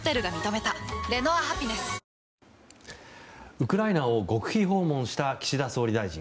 ウクライナを極秘訪問した岸田総理大臣。